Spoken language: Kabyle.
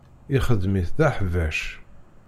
Ixedm-it d aḥbac.